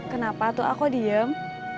kenapa tuh aku diem